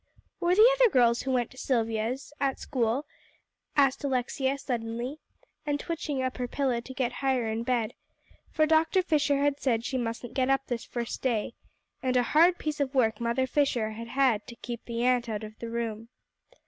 "Were the other girls who went to Silvia's, at school?" asked Alexia suddenly, and twitching up her pillow to get higher in bed, for Dr. Fisher had said she mustn't get up this first day; and a hard piece of work Mother Fisher had had to keep the aunt out of the room.